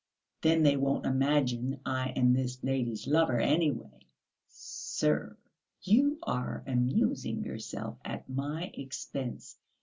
Then they won't imagine I am this lady's lover, anyway." "Sir, you are amusing yourself at my expense.